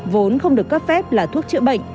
vốn không được cấp phép là thuốc chữa bệnh